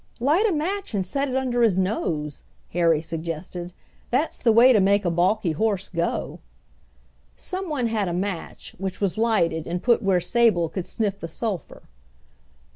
"Light a match and set it under his nose," Harry suggested. "That's the way to make a balky horse go!" Someone had a match, which was lighted and put where Sable could sniff the sulphur.